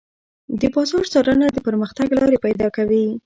د بازار څارنه د پرمختګ لارې پيدا کوي.